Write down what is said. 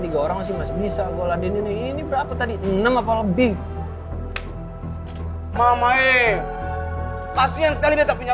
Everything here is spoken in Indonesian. tiga orang masih bisa god game ini berapa taiam apa lebih mo superman malah e pas k réflanek punya